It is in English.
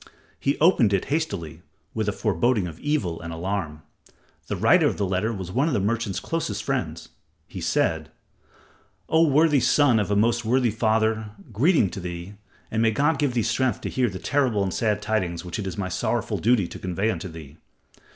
He opened it hastily, with a foreboding of evil and alarm. The writer of the letter was one of the merchant's closest friends. He said: "O worthy son of a most worthy father, greeting to thee, and may God give thee strength to hear the terrible and sad tidings which it is my sorrowful duty to convey unto thee.